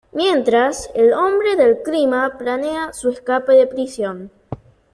Mientras, el Hombre del Clima planea su escape de prisión.